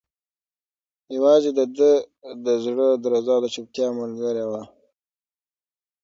یوازې د ده د زړه درزا د چوپتیا ملګرې وه.